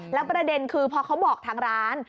แล้วประเด็นคือพอเขาบอกทางร้าน